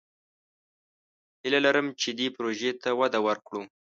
هیله لرم چې دې پروژې ته وده ورکړو.